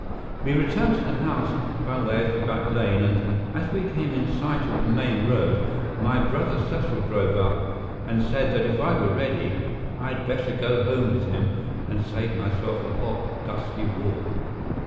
We returned to the house by way of the back lane and, as we came in sight of the main road, my brother Cecil drove up and said that if I were ready, I had better go home with him and save myself a hot, dusty walk.